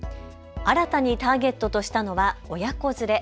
新たにターゲットとしたのは親子連れ。